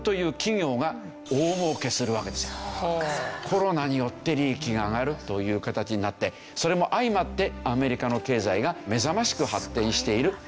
コロナによって利益が上がるという形になってそれも相まってアメリカの経済が目覚ましく発展しているという事ですよね。